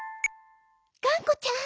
「がんこちゃん？」。